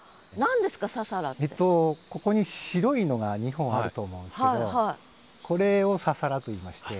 ここに白いのが２本あると思うんですけどこれを「ササラ」といいまして。